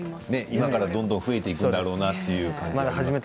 今からどんどん増えていくんだろうなというのがありますね。